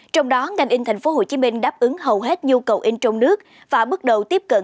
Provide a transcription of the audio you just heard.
trong đó ngành in thành phố hồ chí minh đáp ứng hầu hết nhu cầu in trong nước và bước đầu tiếp cận